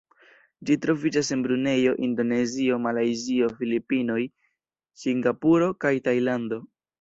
Ĝi troviĝas en Brunejo, Indonezio, Malajzio, Filipinoj, Singapuro kaj Tajlando.